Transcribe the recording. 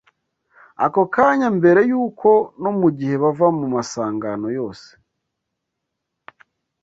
ako kanya mbere y’uko no mu gihe bava mu masangano yose